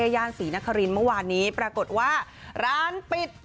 ย่านศรีนครินทร์เมื่อวานนี้ปรากฏว่าร้านปิด